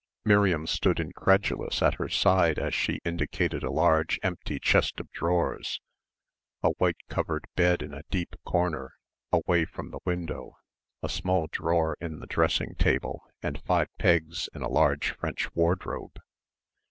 Miriam stood incredulous at her side as she indicated a large empty chest of drawers, a white covered bed in a deep corner away from the window, a small drawer in the dressing table and five pegs in a large French wardrobe.